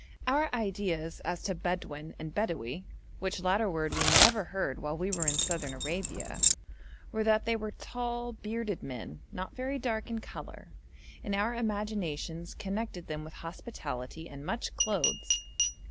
Our ideas as to Bedouin and Bedawi, which latter word we never heard while we were in Southern Arabia, were that they were tall, bearded men, not very dark in colour, and our imaginations connected them with hospitality and much clothes.